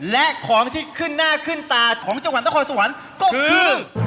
และของที่ขึ้นหน้าขึ้นตาของจังหวัดนครสวรรค์ก็คือ